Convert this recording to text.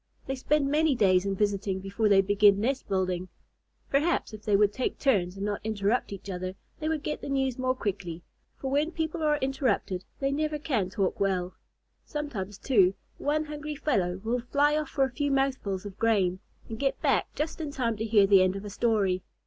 They spend many days in visiting before they begin nest building. Perhaps if they would take turns and not interrupt each other, they would get the news more quickly, for when people are interrupted they can never talk well. Sometimes, too, one hungry fellow will fly off for a few mouthfuls of grain, and get back just in time to hear the end of a story.